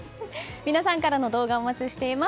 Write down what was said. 皆さんからの動画お待ちしています。